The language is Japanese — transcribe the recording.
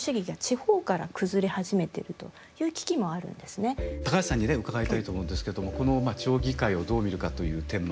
ところが高橋さんにね伺いたいと思うんですけどもこの地方議会をどう見るかという点もありますね。